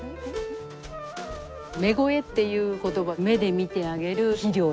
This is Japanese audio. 目肥っていう言葉目で見てあげる肥料って。